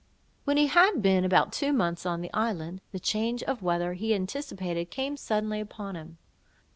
When he had been about two months on the island, the change of weather he had anticipated came suddenly upon him.